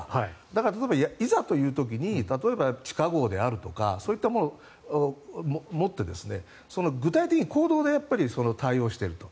だから例えばいざという時に地下壕であるとかそういったものを持って具体的に行動で対応していると。